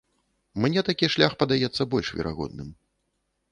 Мне такі шлях падаецца больш верагодным.